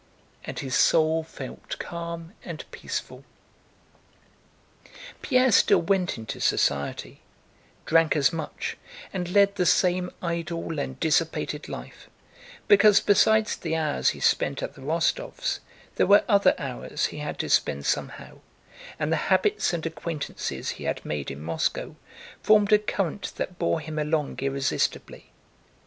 And his soul felt calm and peaceful. Pierre still went into society, drank as much and led the same idle and dissipated life, because besides the hours he spent at the Rostóvs' there were other hours he had to spend somehow, and the habits and acquaintances he had made in Moscow formed a current that bore him along irresistibly.